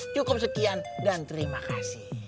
cukup sekian dan terima kasih